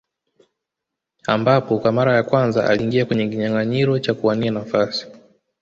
Ambapo kwa mara ya kwanza aliingia kwenye kinyanganyiro cha kuwania nafasi